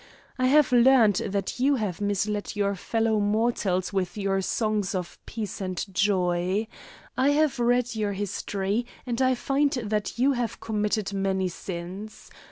I have learned that you have misled your fellow mortals with your songs of peace and joy. I have read your history, and I find that you have committed many sins.